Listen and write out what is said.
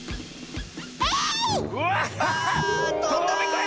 えい！